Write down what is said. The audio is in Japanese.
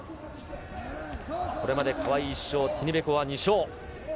これまで川井１勝、ティニベコワ２勝。